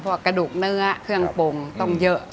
กระดูกเนื้อเครื่องปรุงต้องเยอะ